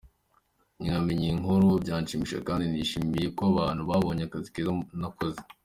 Nkimenya iyi nkuru byanshimishije kandi nishimiye ko abantu babonye akazi keza nakoze.